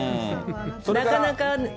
なかなか。